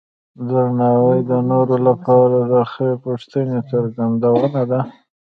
درناوی د نورو لپاره د خیر غوښتنې څرګندونه ده.